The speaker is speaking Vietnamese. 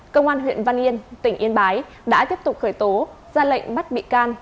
công an huyện văn yên tỉnh yên bái đã tiếp tục khởi tố ra lệnh bắt bị can